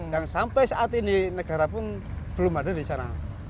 yang sampai saat ini negara pun belum ada di sana